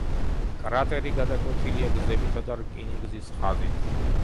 კრატერი გადაკვეთილია გზებითა და რკინიგზის ხაზით.